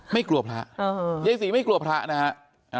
ไม่กลัวพระยายศรีไม่กลัวพระนะฮะ